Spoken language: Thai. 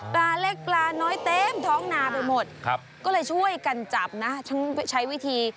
ปลาเล็กปลาน้อยเต็มท้องนาไปหมดก็เลยช่วยกันจับนะทั้งใช้วิธี